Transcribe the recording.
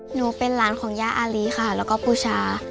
หนูเป็นหลานของย่าอารีค่ะแล้วก็บูชา